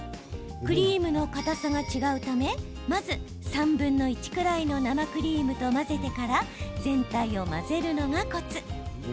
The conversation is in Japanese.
クリームのかたさが違うためまず３分の１くらいの生クリームと混ぜてから全体を混ぜるのがコツ。